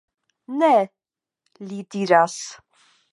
Ne, li diras.